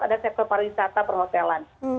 ada sektor pariwisata perhotelan